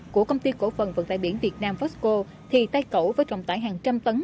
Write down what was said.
của công ty cổ phần vận tải biển việt nam vasco thì tay cầu với trọng tải hàng trăm tấn